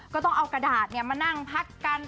ก็ต้องเอากระดาษมานั่งพักกัน